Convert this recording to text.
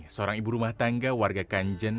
seorang ibu rumah tangga warga kanjeng